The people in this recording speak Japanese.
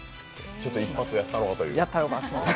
ちょっと一発やったろかと。